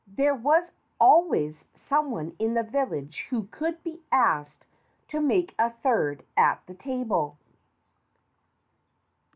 There was always someone in the village who could be asked to make a third at the table.